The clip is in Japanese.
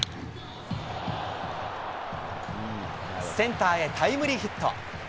センターへタイムリーヒット。